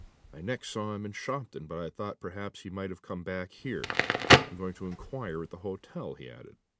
I next saw him in Shopton, but I thought perhaps he might have come back here. I'm going to inquire at the hotel," he added.